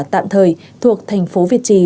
tạm thời thuộc thành phố việt trì